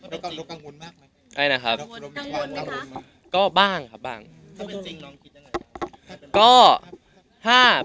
เรื่องกังวลเรื่องกังวลมีคำตอบเรื่องกังวลมากไหม